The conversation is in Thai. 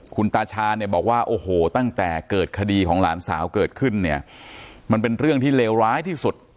คุณตาชาเนี่ยบอกว่าโอ้โหตั้งแต่เกิดคดีของหลานสาวเกิดขึ้นเนี่ยมันเป็นเรื่องที่เลวร้ายที่สุด